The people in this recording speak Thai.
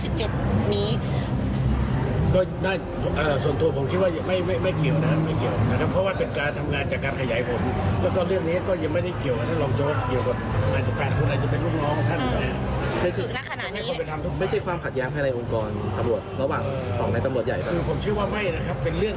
ผมเชื่อว่าไม่นะครับเป็นเรื่องของหลักฐานแม่ของชายเฉียนไดนท์เอง